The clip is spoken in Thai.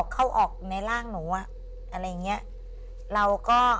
เราก็หุดภูมิเนาะ